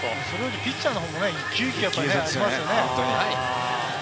ピッチャーの方は一球一球ありますよね。